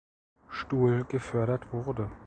Stuhl gefördert wurde.